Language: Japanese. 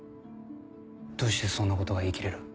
どうしてそんなことが言い切れる？